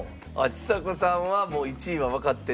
ちさ子さんはもう１位はわかってる？